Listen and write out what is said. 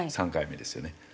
３回目ですよね。